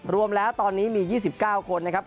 รวมแล้วตอนนี้มี๒๙คนนะครับ